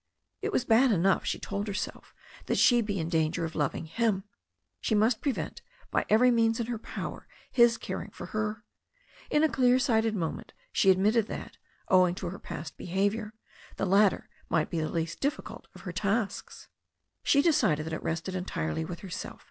It was bad enough, she told herself, that she be in danger of loving him. She must prevent by every means in her power his caring for her. In a clear sighted moment she admitted that, owing to her past behaviour, the latter might be the least difficult of her tasks. She decided that it rested entirely with herself.